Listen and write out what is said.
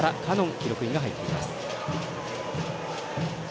記録員が入っています。